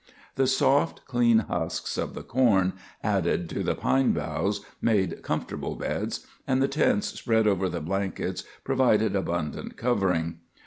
"] The soft, clean husks of the corn, added to the pine boughs, made comfortable beds, and the tents spread over the blankets provided abundant covering.